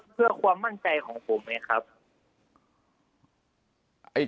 เพื่อความมั่นใจของผมไงครับ